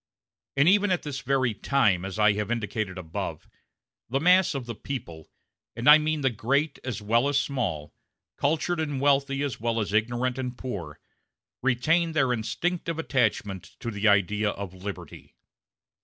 And even at this very time, as I have indicated above, the mass of the people and I mean great as well as small, cultured and wealthy as well as ignorant and poor retain their instinctive attachment to the idea of liberty.